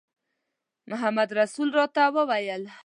محمدرسول راته وویل.